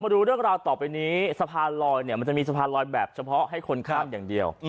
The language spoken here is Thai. ดูเรื่องราวต่อไปนี้สะพานลอยเนี่ยมันจะมีสะพานลอยแบบเฉพาะให้คนข้ามอย่างเดียว